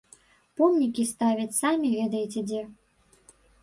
Помнікі ставяць самі ведаеце дзе.